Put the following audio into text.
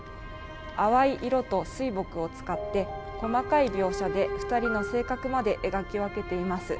淡い色と水墨を使って細かい描写で２人の性格まで描き分けています。